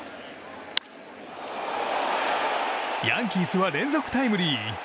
ヤンキースは連続タイムリー。